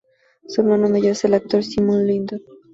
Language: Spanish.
Su hermano mayor es el actor Simon Lyndon.